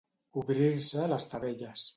Obrir-se les tavelles.